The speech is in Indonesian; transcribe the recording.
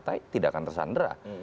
tidak akan tersandera